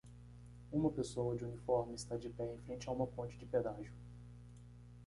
Uma pessoa de uniforme está de pé em frente a uma ponte de pedágio